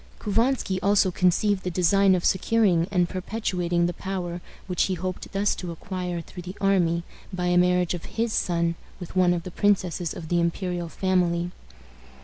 Couvansky also conceived the design of securing and perpetuating the power which he hoped thus to acquire through the army by a marriage of his son with one of the princesses of the imperial family.